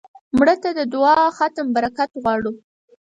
مړه ته د دعا د ختم برکت غواړو